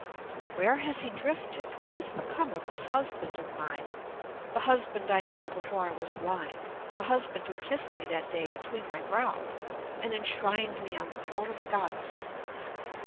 Where has he drifted? What has become of this husband of mine, the husband I knew before I was blind; the husband who kissed me that day between my brows, and enshrined me on the throne of a Goddess?